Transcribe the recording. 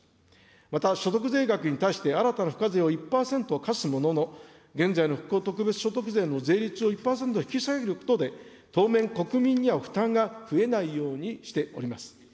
また所得税額に対して、新たな付加税を１％課すものの、現在の復興特別所得税の税率を１％引き下げることで、当面、国民には負担が増えないようにしております。